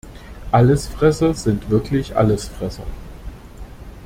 Allesfresser sind wirklich Allesfresser.